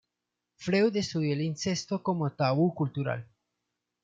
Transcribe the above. Freud estudió el incesto como tabú cultural.